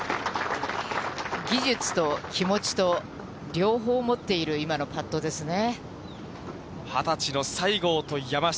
技術と気持ちと、両方持っている今のパットですね。